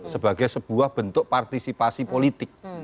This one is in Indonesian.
sebagai sebuah bentuk partisipasi politik